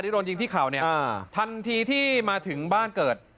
โดนยิงที่เข่าเนี่ยทันทีที่มาถึงบ้านเกิด